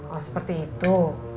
oh seperti itu